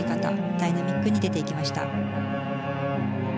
ダイナミックに出ていきました。